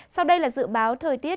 sau đây là dự báo thời tiết